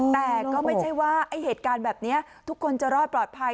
แต่ก็ไม่ใช่ว่าไอ้เหตุการณ์แบบนี้ทุกคนจะรอดปลอดภัย